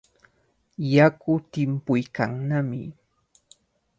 Yaku timpuykannami.